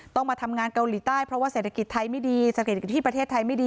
ต้องมาทำงานเกาหลีใต้เพราะว่าเศรษฐกิจไทยไม่ดีเศรษฐกิจที่ประเทศไทยไม่ดี